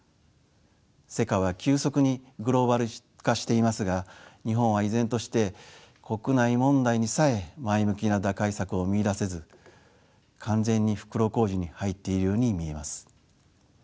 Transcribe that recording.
世界は急速にグローバル化していますが日本は依然として国内問題にさえ前向きな打開策を見いだせず完全に袋小路に入っているように見えます。